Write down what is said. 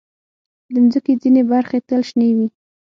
د مځکې ځینې برخې تل شنې وي.